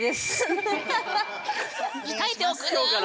鍛えておくぬん。